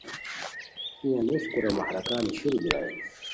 ای انوس کورا مہراکا نیشرو بیرائے